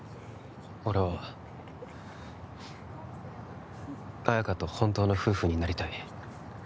俺は、綾華と本当の夫婦になりたい。